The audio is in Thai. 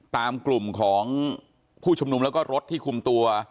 ตามกลุ่มของผู้ชุมนุมแล้วก็รถที่คุมตัว